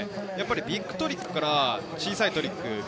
ビッグトリックから小さいトリック。